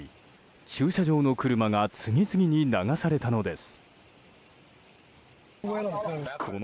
駐車場の車が次々に流されたのです。